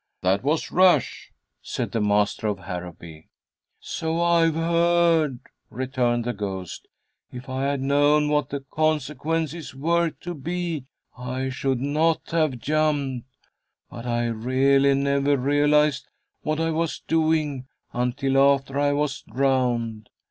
"That was rash," said the master of Harrowby. "So I've heard," returned the ghost. "If I had known what the consequences were to be I should not have jumped; but I really never realized what I was doing until after I was drowned.